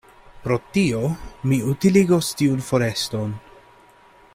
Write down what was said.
Pro tio, mi utiligos tiun foreston.